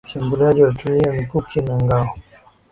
Washambuliaji walitumia mikuki na ngao